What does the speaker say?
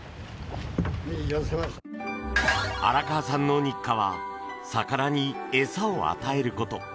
荒川さんの日課は魚に餌を与えること。